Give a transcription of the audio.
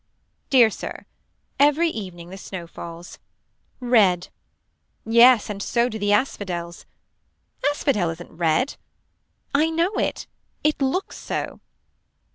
Dear Sir. Every evening the snow falls. Red. Yes and so do the asphodels. Asphodel isn't red. I know it it looks so.